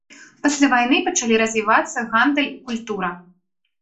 Пасля вайны пачалі развівацца гандаль і культура.